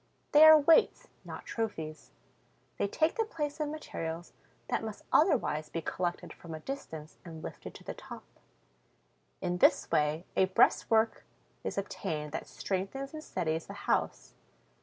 They are weights, not trophies; they take the place of materials that must otherwise be collected from a distance and lifted to the top. In this way, a breastwork is obtained that strengthens and steadies the house.